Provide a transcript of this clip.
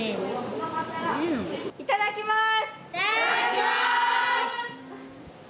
いただきます。